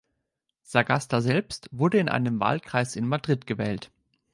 Sagasta selbst wurde in einem Wahlkreis in Madrid gewählt.